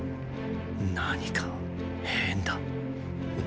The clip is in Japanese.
何か変だ。